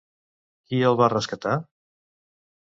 Qui el va rescatar?